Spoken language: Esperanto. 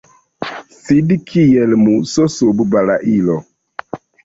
Sidi kiel muso sub balailo.